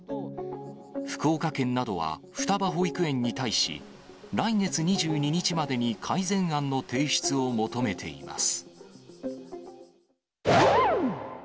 福岡県などは、双葉保育園に対し、来月２２日までに改善案の提出を求めています。